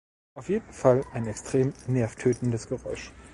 Auf jeden Fall ein extrem nervtötendes Geräusch.